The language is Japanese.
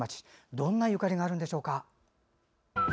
どんなゆかりがあるんでしょうか。